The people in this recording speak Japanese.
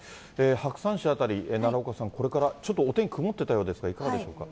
白山市辺り、奈良岡さん、これからちょっとお天気曇ってたようですが、いかがでしょうか。